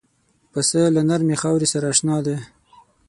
پسه له نرمې خاورې سره اشنا دی.